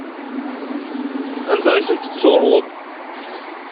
Anda ay tent-id-turweḍ?